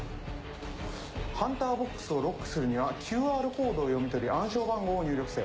ハンターボックスをロックするにはＱＲコードを読み取り暗証番号を入力せよ。